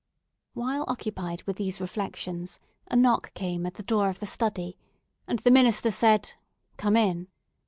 While occupied with these reflections, a knock came at the door of the study, and the minister said, "Come in!"